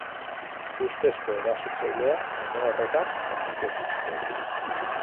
Ustezko erasotzailea une horretan atxilotu zuten.